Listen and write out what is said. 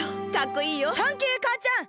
サンキューかあちゃん！